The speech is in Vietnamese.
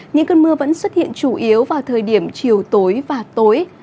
những cơn mưa vẫn xuất hiện chủ yếu vào thời điểm chiều tối và tối